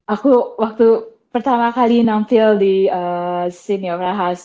aku waktu pertama kali nampil di sydney opera house